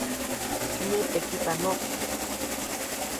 Nitekipanoti